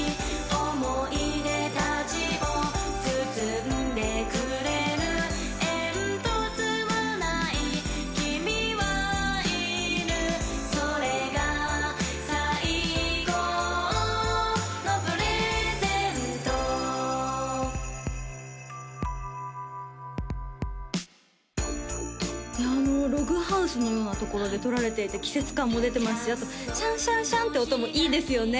思い出たちを包んでくれる煙突は無い君はいるそれが最高のプレゼントログハウスのようなところで撮られていて季節感も出てますしあとシャンシャンシャンって音もいいですよね